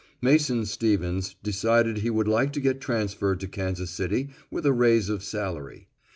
Mason Stevens decided he would like to get transferred to Kansas City, with a raise of salary.